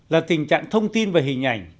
là tình trạng thông tin và hình ảnh